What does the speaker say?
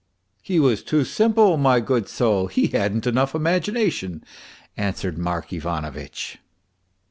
" He was too simple, my good soul, he hadn't enough imagination," answered Mark Ivanovitch.